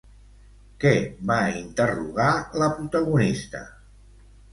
Què va interrogar la protagonista?